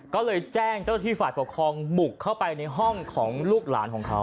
ก็เลยแจ้งเจ้าที่ฝ่ายปกครองบุกเข้าไปในห้องของลูกหลานของเขา